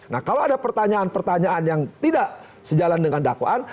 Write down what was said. nah kalau ada pertanyaan pertanyaan yang tidak sejalan dengan dakwaan